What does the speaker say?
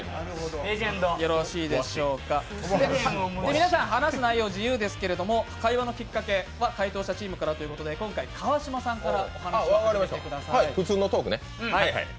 皆さん、話す内容は自由ですけども会話のきっかけは解答者チームからということで今回川島さんから話し始めてください。